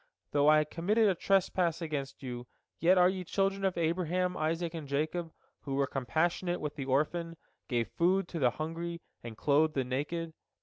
Though I committed a trespass against you, yet are ye children of Abraham, Isaac, and Jacob, who were compassionate with the orphan, gave food to the hungry, and clothed the naked.